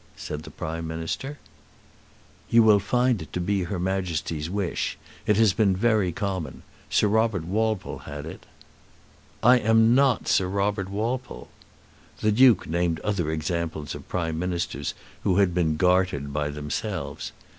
said the Prime Minister. "You will find it to be her Majesty's wish. It has been very common. Sir Robert Walpole had it." "I am not Sir Robert Walpole." The Duke named other examples of Prime Ministers who had been gartered by themselves.